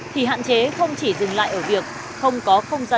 thì hạn chế không chỉ dừng lại ở việc không có khuôn viên